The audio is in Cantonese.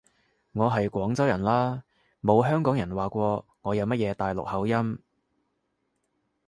我係廣州人啦，冇香港人話過我有乜嘢大陸口音